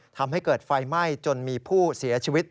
ทำให้เกิดไฟไหม้จนมีผู้เสียชีวิต